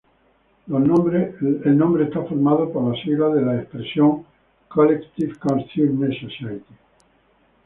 El nombre está formado por las siglas de la expresión Collective Consciousness Society.